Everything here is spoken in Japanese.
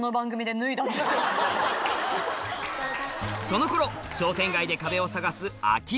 その頃商店街で壁を探すあき